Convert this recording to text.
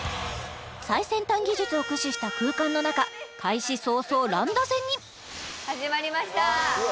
最先端技術を駆使した空間の中開始早々乱打戦に始まりました